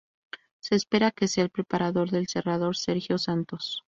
Se espera que sea el preparador del cerrador Sergio Santos.